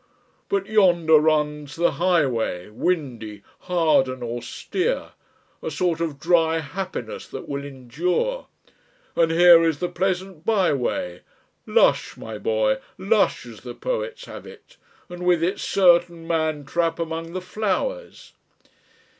But yonder runs the highway, windy, hard, and austere, a sort of dry happiness that will endure; and here is the pleasant by way lush, my boy, lush, as the poets have it, and with its certain man trap among the flowers